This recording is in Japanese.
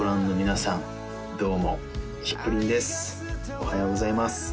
おはようございます